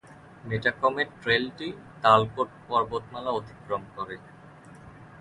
মেটাকমেট ট্রেইলটি তালকোট পর্বতমালা অতিক্রম করে।